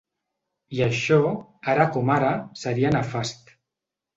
I això, ara com ara, seria nefast.